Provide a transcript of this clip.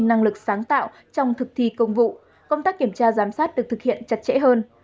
năng lực sáng tạo trong thực thi công vụ công tác kiểm tra giám sát được thực hiện chặt chẽ hơn